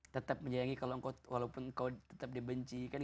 tetap menyayangi kalau kau walaupun kau tetap dibenci